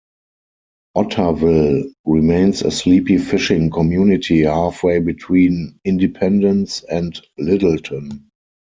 Otterville remains a sleepy fishing community halfway between Independence and Littleton.